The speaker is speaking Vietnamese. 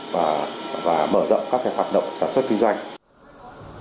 và mở rộng các hoạt động sản xuất kinh doanh